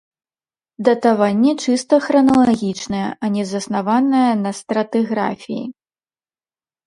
Датаванне чыста храналагічнае, а не заснаванае на стратыграфіі.